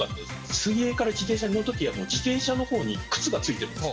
水泳から自転車に乗るときは、自転車のほうに靴がついてるんです。